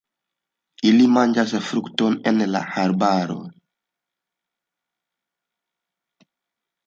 Ili manĝas fruktojn en la arboj.